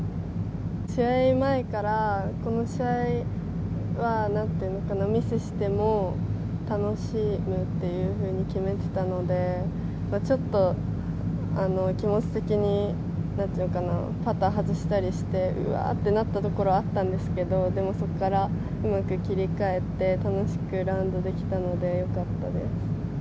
試合前から、この試合はミスしても楽しむっていうふうに決めていたのでちょっと気持ち的にパットを外したりしてうわーっとなったところはあったんですけどでもそこからうまく切り替えて楽しくラウンドできたのでよかったです。